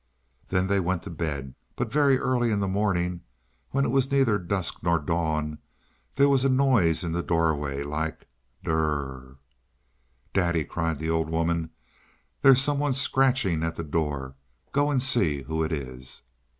Then they went to bed: but very early in the morning, when it was neither dusk nor dawn, there was a noise in the doorway like Durrrrrr! "Daddy!" cried the old woman, "there's someone scratching at the door: go and see who it is!"